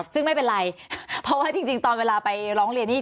ซึ่งไม่เป็นไรเพราะว่าจริงตอนเวลาไปร้องเรียนนี่